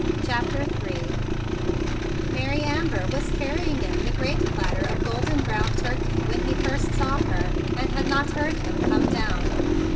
CHAPTER III Mary Amber was bearing in the great platter of golden brown turkey when he first saw her, and had not heard him come down.